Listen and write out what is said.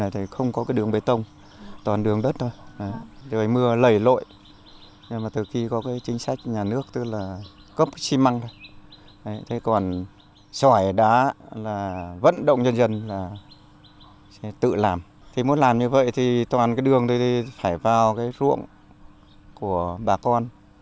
theo toàn bộ con đường này là đất của bà con